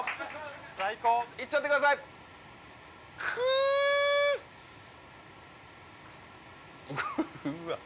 最高いっちゃってくださいうんうわっ